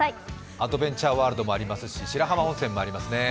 アドベンチャーワールドもありますし白浜温泉もありますね。